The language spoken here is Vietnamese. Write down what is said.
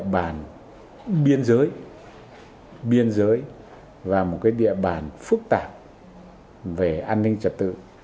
một cái địa bàn biên giới biên giới và một cái địa bàn phức tạp về an ninh trật tự